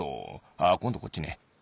ああこんどこっちね。